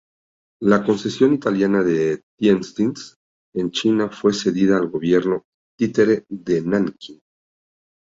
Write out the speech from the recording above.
La Concesión italiana de Tientsin en China fue cedida al Gobierno títere de Nankín.